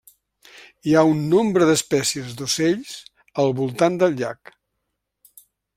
Hi ha un nombre d'espècies d'ocells al voltant del llac.